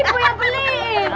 ibu yang beliin